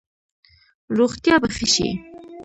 روغتیا به ښه شي؟